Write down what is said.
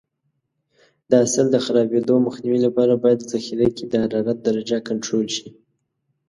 د حاصل د خرابېدو مخنیوي لپاره باید ذخیره کې د حرارت درجه کنټرول شي.